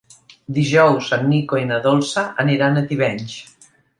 Dijous en Nico i na Dolça aniran a Tivenys.